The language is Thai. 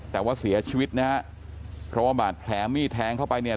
แต่ว่าเสียชีวิตนะฮะเพราะว่าบาดแผลมีดแทงเข้าไปเนี่ย